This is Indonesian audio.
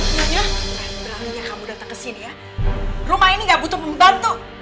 nyonya berani kamu datang kesini ya rumah ini gak butuh pembantu